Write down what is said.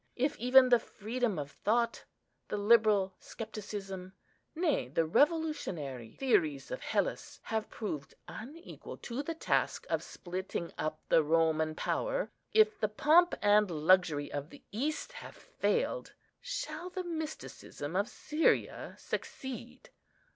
If even the freedom of thought, the liberal scepticism, nay, the revolutionary theories of Hellas have proved unequal to the task of splitting up the Roman power, if the pomp and luxury of the East have failed, shall the mysticism of Syria succeed?"